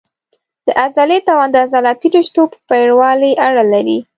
د عضلې توان د عضلاتي رشتو په پېړوالي اړه لري.